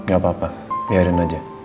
gak apa apa biarin aja